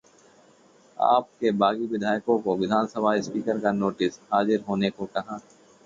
'आप' के बागी विधायकों को विधानसभा स्पीकर का नोटिस, हाजिर होने को कहा